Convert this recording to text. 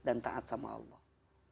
dan taat sama allah